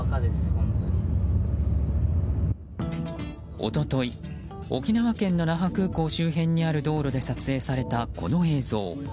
一昨日、沖縄県の那覇空港周辺にある道路で撮影されたこの映像。